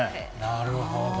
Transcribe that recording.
なるほど。